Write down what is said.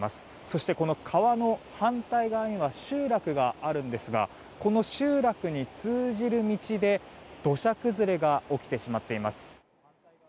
そして川の反対側には集落があるんですがこの集落に通じる道で土砂崩れが起きてしまっています。